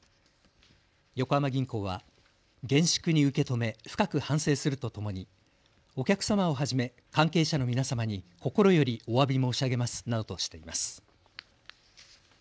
横浜銀行は厳粛に受け止め深く反省するとともにお客様をはじめ関係者の皆様に心よりおわび申し上げますなどとしています。